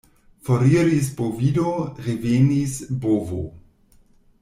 Foriris bovido, revenis bovo.